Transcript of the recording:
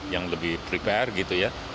yang lebih prepare gitu ya